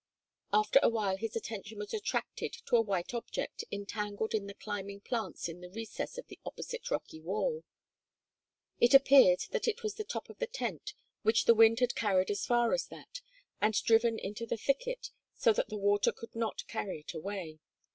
After a while his attention was attracted to a white object entangled in the climbing plants in the recess of the opposite rocky wall. It appeared that it was the top of the tent which the wind had carried as far as that and driven into the thicket so that the water could not carry it away.